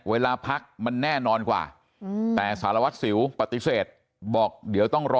เวลาพักมันแน่นอนกว่าแต่สารวัตรสิวปฏิเสธบอกเดี๋ยวต้องรอ